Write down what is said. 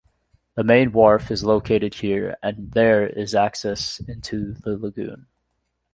The main wharf is located here, and there is access into the lagoon.